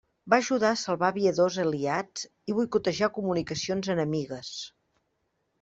Va ajudar a salvar aviadors aliats i boicotejar comunicacions enemigues.